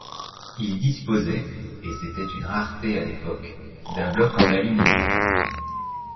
Ils disposaient, et c'était une rareté à l'époque, d'un bloc en aluminium.